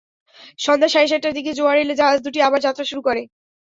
সন্ধ্যা সাড়ে সাতটার দিকে জোয়ার এলে জাহাজ দুটি আবার যাত্রা শুরু করে।